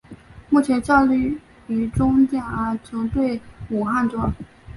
目前效力于中甲球队武汉卓尔。